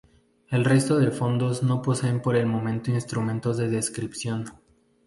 El resto de fondos no poseen por el momento instrumentos de descripción.